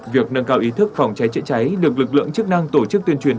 việc nâng cao ý thức phòng cháy chữa cháy được lực lượng chức năng tổ chức tuyên truyền